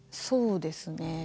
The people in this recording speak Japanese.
そうですね。